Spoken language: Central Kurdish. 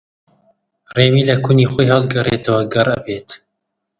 ڕێوی لە کونی خۆی ھەڵگەڕێتەوە گەڕ ئەبێت